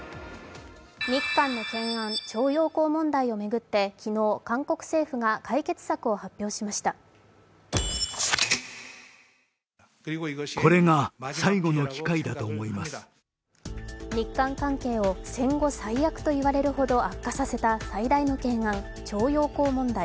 日韓の懸案、徴用工問題を巡って昨日韓国政府が、解決策を発表しました日韓関係を戦後最悪と言われるほど悪化させた最大の懸案、徴用工問題。